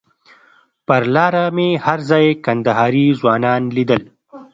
پر لاره مې هر ځای کندهاري ځوانان لیدل.